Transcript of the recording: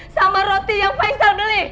sama roti yang faisal beli